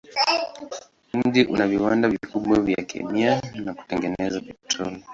Mji una viwanda vikubwa vya kemia na kutengeneza petroli.